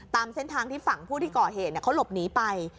ตามเส้นทางที่ฝั่งผู้ที่ก่อเหตุเขาหลบหนีไป